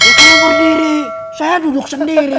itu berdiri saya duduk sendiri